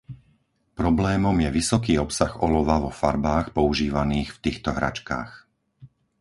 Problémom je vysoký obsah olova vo farbách používaných v týchto hračkách.